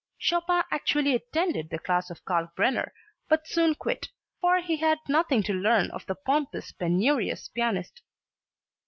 Chopin actually attended the class of Kalkbrenner but soon quit, for he had nothing to learn of the pompous, penurious pianist.